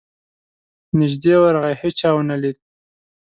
نیژدې ورغی هېچا ونه لید.